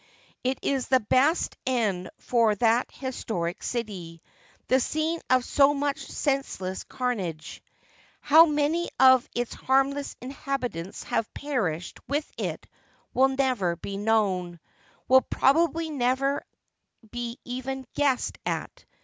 It is the best end for that historic city — the scene of so much senseless carnage. How many of its harmless inhabitants have perished with it will never be known — will probably never be even guessed at.